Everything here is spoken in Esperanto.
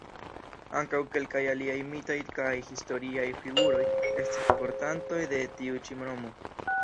Ankaŭ kelkaj aliaj mitaj kaj historiaj figuroj estis portantoj de tiu ĉi nomo.